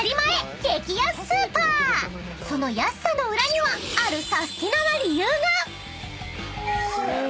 ［その安さの裏にはあるサスティなな理由が！］